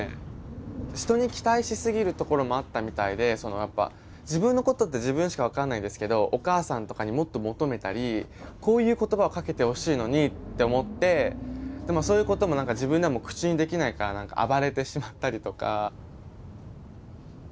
人に期待しすぎるところもあったみたいでやっぱ自分のことって自分しか分かんないですけどお母さんとかにもっと求めたりこういう言葉をかけてほしいのにって思ってでもそういうことも何か自分でも口にできないから暴れてしまったりとか。